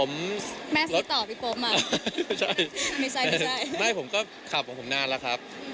ผมแม่ซื้อต่อพี่โป๊ปอ่ะไม่ใช่ไม่ใช่ไม่ผมก็ขับของผมนานแล้วครับ